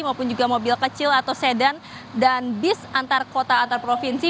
maupun juga mobil kecil atau sedan dan bis antar kota antar provinsi